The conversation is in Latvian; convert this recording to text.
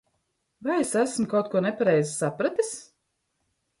Vai es esmu kaut ko nepareizi sapratis?